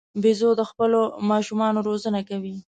بیزو د خپلو ماشومانو روزنه کوي.